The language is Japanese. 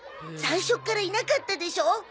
最初からいなかったでしょ。